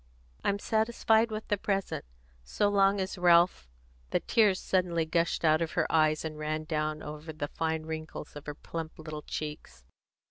"I'm satisfied with the present, so long as Ralph " The tears suddenly gushed out of her eyes, and ran down over the fine wrinkles of her plump little cheeks.